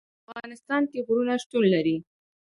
په افغانستان کې غرونه شتون لري.